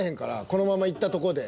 このままいったとこで。